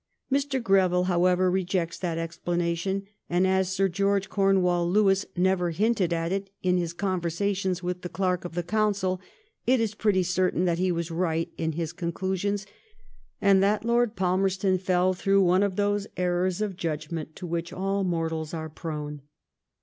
'' Mr. Greville, however, rejects that explanation ; and as Sir George Comewall Lewis never hinted at it in his conversations with the Clerk of the Council, it is pretty certain that be was right in his conclusions, and that Lord Falmerston fell through one of those errors of judgment to which all mortals are prone.